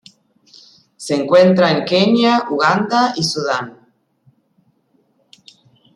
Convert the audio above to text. Se encuentra en Kenia Uganda y Sudán.